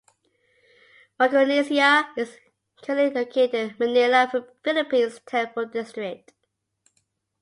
Micronesia is currently located in the Manila Philippines Temple district.